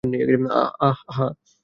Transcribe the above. অ্যাঁ, হ্যাঁ।